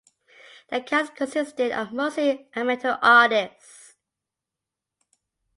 The cast consisted of mostly amateur artists.